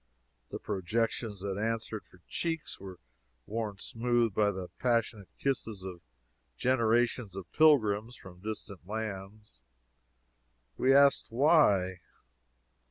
The projections that answered for cheeks were worn smooth by the passionate kisses of generations of pilgrims from distant lands. We asked "Why?"